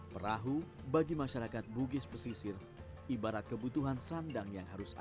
perahu bagi masyarakat bugis pesisir ibarat kebutuhan sandang yang harus ada